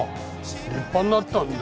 立派になったんだ。